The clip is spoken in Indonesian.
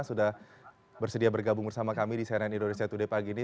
sudah bersedia bergabung bersama kami di cnn indonesia today pagi ini